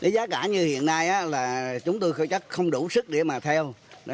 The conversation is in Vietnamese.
giá cả như hiện nay là chúng tôi chắc không đủ sức để mà theo